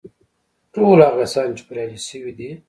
ټول هغه کسان چې بريالي شوي دي.